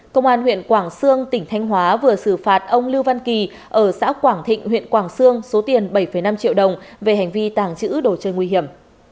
công an huyện quảng sương tỉnh thanh hóa vừa xử phạt ông lưu văn kỳ ở xã quảng thịnh huyện quảng sương số tiền bảy năm triệu đồng về hành vi tàng trữ đồ chơi nguy hiểm